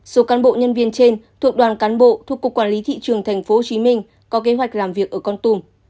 số cán bộ nhân viên trên thuộc đoàn cán bộ thuộc cục quản lý thị trường tp hcm có kế hoạch làm việc ở con tùm